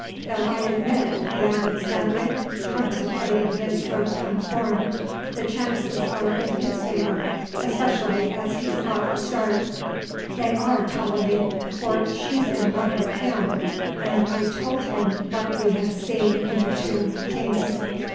Though I admit," he added sadly, contemplating his rotund form, "the chances are in his favour, especially as he's got the start." "They are, Ptolemy, for she's in love with him," and I told him what we had seen in the Tomb of Kings.